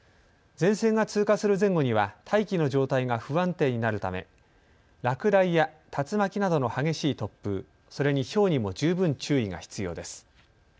前線が通過する前後には大気の状態が不安定になるため落雷や竜巻などの激しい突風、それにひょうにも十分注意が必要です。